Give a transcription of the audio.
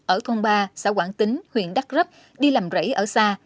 ở thôn ba xã quảng tính huyện đắk rấp đi làm rẫy ở xa